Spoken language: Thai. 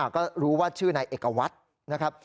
ก็รู้ว่าชื่อนายเอกวัตร